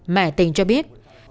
mẹ tình cho biết